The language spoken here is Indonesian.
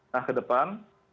nah ke depan